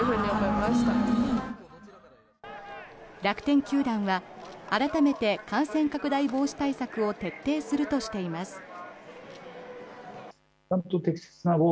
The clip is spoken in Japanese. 楽天球団は改めて感染拡大防止対策を徹底するとしています。